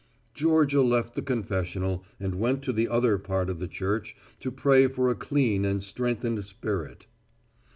Georgia left the confessional and went to the other part of the church to pray for a clean and strengthened spirit.